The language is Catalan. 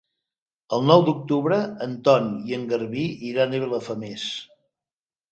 El nou d'octubre en Ton i en Garbí iran a Vilafamés.